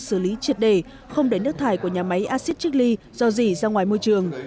xử lý triệt đề không để nước thải của nhà máy acid trích ly dò dỉ ra ngoài môi trường